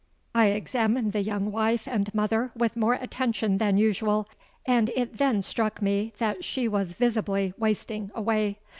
I examined the young wife and mother with more attention than usual; and it then struck me that she was visibly wasting away.